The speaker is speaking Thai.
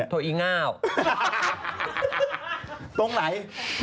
ตรงไหน